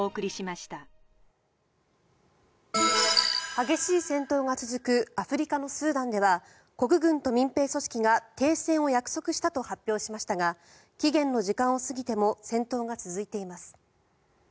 激しい戦闘が続くアフリカのスーダンでは国軍と民兵組織が停戦を約束したと発表しましたが期限の時間を過ぎても戦闘が続いています。